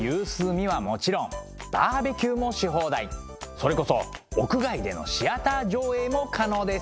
それこそ屋外でのシアター上映も可能です。